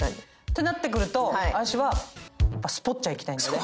てなってくると私はスポッチャ行きたいんだよね。